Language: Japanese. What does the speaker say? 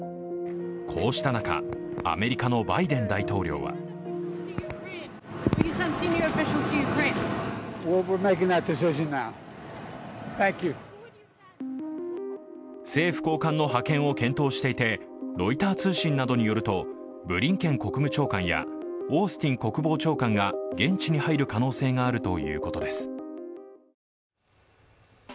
こうした中、アメリカのバイデン大統領は政府高官の派遣を検討していてロイター通信などによると、ブリンケン国務長官やオースティン国防長官が現地に入る可能性があるということです。